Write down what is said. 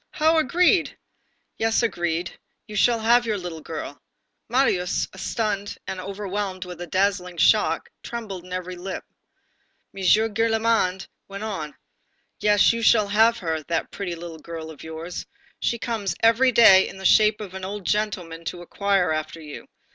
"How agreed?" "Yes, agreed. You shall have your little girl." Marius, stunned and overwhelmed with the dazzling shock, trembled in every limb. M. Gillenormand went on: "Yes, you shall have her, that pretty little girl of yours. She comes every day in the shape of an old gentleman to inquire after you.